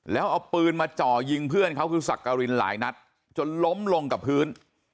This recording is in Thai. แล้วเอาปืนมาจ่อยิงเพื่อนเขาคือสักกรินหลายนัดจนล้มลงกับพื้น